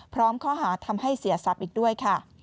พร้อมข้อหาธรรมให้เสียสับอีกด้วยค่ะ